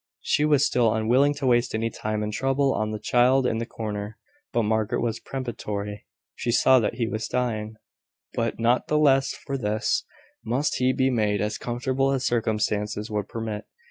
She was still unwilling to waste any time and trouble on the child in the corner; but Margaret was peremptory. She saw that he was dying; but not the less for this must he be made as comfortable as circumstances would permit.